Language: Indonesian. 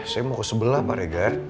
saya mau ke sebelah pak regar